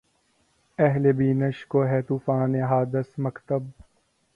اہلِ بینش کو‘ ہے طوفانِ حوادث‘ مکتب